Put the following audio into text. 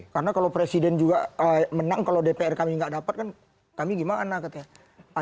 karena kalau presiden juga menang kalau dpr kami nggak dapat kan kami gimana